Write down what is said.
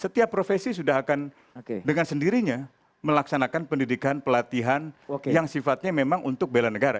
setiap profesi sudah akan dengan sendirinya melaksanakan pendidikan pelatihan yang sifatnya memang untuk bela negara